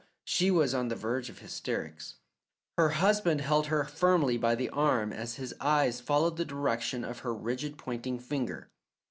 She was on the verge of hysterics. Her husband held her firmly by the arm as his eyes followed the direction of her rigid pointing finger.